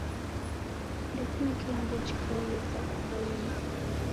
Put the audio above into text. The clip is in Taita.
Ndekune kilambo chipoiye sa kupoilwa.